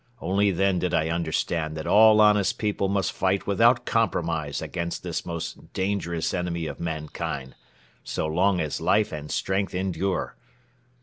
Only then did I understand that all honest people must fight without compromise against this most dangerous enemy of mankind, so long as life and strength endure."